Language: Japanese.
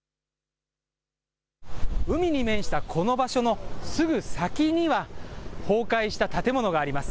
海に面したこの場所のすぐ先には、崩壊した建物があります。